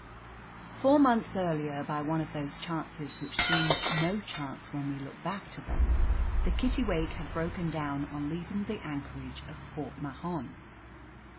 Four months earlier, by one of those chances which seem no chance when we look back to them, the Kittiwake had broken down on leaving the anchorage of Port Mahon.